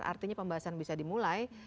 artinya pembahasan bisa dimulai